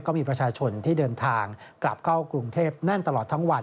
ก็มีประชาชนที่เดินทางกลับเข้ากรุงเทพแน่นตลอดทั้งวัน